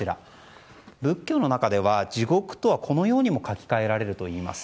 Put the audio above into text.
仏教の中では地獄とはこのようにも書き換えられるといいます。